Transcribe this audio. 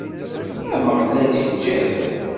Ameɣlal iǧǧa-t.